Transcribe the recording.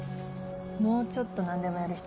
もうちょっと何でもやる人。